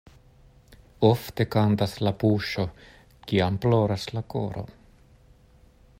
Ofte kantas la buŝo, kiam ploras la koro.